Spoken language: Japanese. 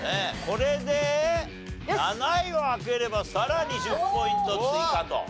これで７位を開ければさらに１０ポイント追加と。